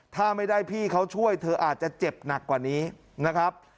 ถ้าไม่ได้พี่เขาช่วยเธออาจจะเจ็บหนักกว่านี้นะครับ